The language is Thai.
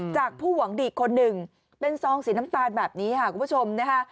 ผู้หวังดีคนหนึ่งเป็นซองสีน้ำตาลแบบนี้ค่ะคุณผู้ชมนะคะ